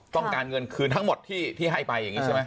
ต้องการเงินคืนทั้งหมดที่ให้ไปอย่างนี้ใช่ไหม